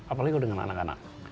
apalagi kalau dengan anak anak